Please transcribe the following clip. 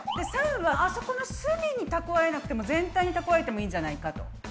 ③はあそこの隅にたくわえなくても全体にたくわえてもいいんじゃないかと。